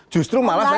justru malah saya